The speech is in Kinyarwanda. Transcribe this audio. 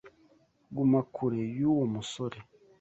Guma kure yuwo musore.